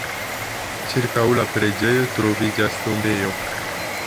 Ĉirkaŭ la preĝejo troviĝas tombejo.